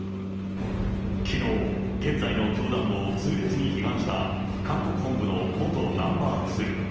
きのう、現在の教団を痛烈に批判した韓国本部の元ナンバー２。